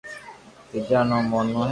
تيجا رو نوم مونو ھي